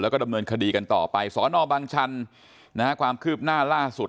แล้วก็ดำเนินคดีกันต่อไปสอนอบังชันนะฮะความคืบหน้าล่าสุด